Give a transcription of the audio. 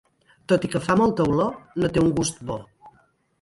Tot i que fa molta olor, no té un gust bo.